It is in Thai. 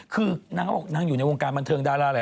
คือนางบอกว่านางอยู่ในวงการบรรเทิงดารา